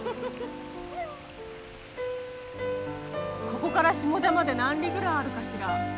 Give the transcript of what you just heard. ここから下田まで何里ぐらいあるかしら？